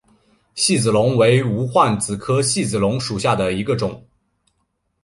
细子龙为无患子科细子龙属下的一个种。